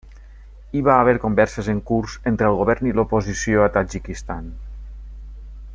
Hi va haver converses en curs entre el govern i l'oposició a Tadjikistan.